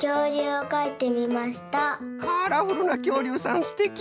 カラフルなきょうりゅうさんすてき。